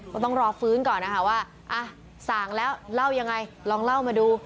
ก็ต้องรอฟื้นก่อนนะคะว่าสั่งแล้วเล่ายังไงลองเล่ามาดู